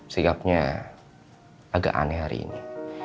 sikapnya agak aneh hari ini